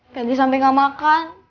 febri sampai gak makan